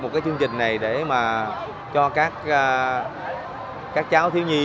một cái chương trình này để mà cho các cháu thiếu nhi